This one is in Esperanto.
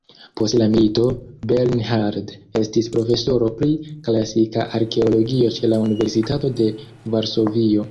Post la milito, Bernhard estis profesoro pri klasika arkeologio ĉe la Universitato de Varsovio.